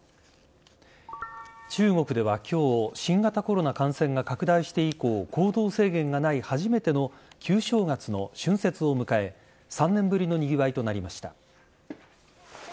中国では今日新型コロナ感染が拡大して以降行動制限がない初めての旧正月の春節を迎え３年ぶりのにぎわいとなりました。